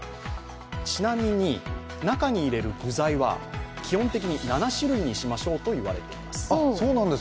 ちなみに、中に入れる具材は基本的に７種類にしましょうといわれている。